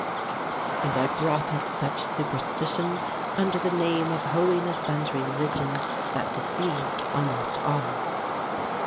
And I brought up such superstition Under the name of holiness and religion, That deceived almost all.